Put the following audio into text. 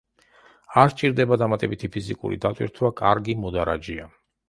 არ სჭირდება დამატებითი ფიზიკური დატვირთვა, კარგი მოდარაჯეა.